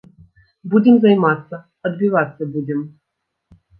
Будзем займацца, адбівацца будзем.